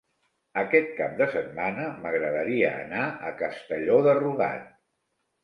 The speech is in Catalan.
Aquest cap de setmana m'agradaria anar a Castelló de Rugat.